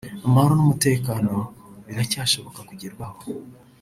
amahoro n’umutekano biracyashoboka kugerwaho